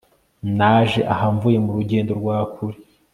naje aha mvuye mu rugendo rwa kure